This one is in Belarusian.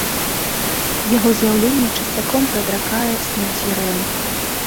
Яго з'яўленне часцяком прадракае смерць героя.